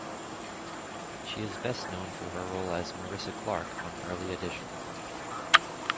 She is best known for her role as Marissa Clark on "Early Edition".